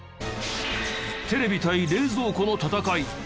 テレビ対冷蔵庫の戦い。